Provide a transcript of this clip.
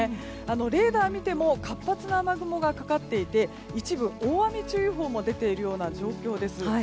レーダーを見ても活発な雨雲がかかっていて一部、大雨注意報も出ているような状況です。